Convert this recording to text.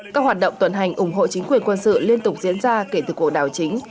các hoạt động tuần hành ủng hộ chính quyền quân sự liên tục diễn ra kể từ cuộc đảo chính